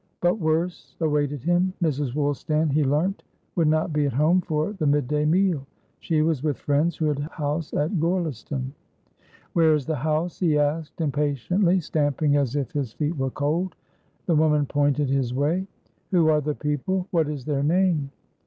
But worse awaited him. Mrs. Woolstan, he learnt, would not be at home for the mid day meal; she was with friends who had a house at Gorleston. "Where is the house?" he asked, impatiently, stamping as if his feet were cold. The woman pointed his way. "Who are the people? What is their name?"